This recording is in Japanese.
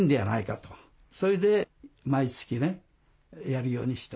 それで毎月ねやるようにした。